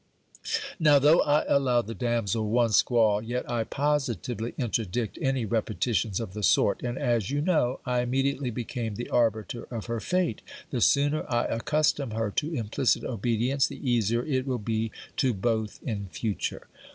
Now, though I allow the damsel one squall, yet I positively interdict any repetitions of the sort; and as, you know, I immediately became the arbiter of her fate, the sooner I accustom her to implicit obedience, the easier it will be to both in future.